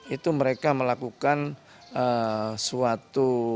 itu mereka melakukan suatu